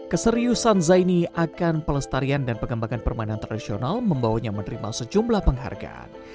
keseriusan zaini akan pelestarian dan pengembangan permainan tradisional membawanya menerima sejumlah penghargaan